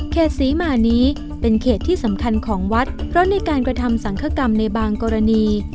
ศรีมานี้เป็นเขตที่สำคัญของวัดเพราะในการกระทำสังคกรรมในบางกรณี